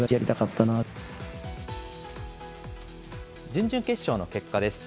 準々決勝の結果です。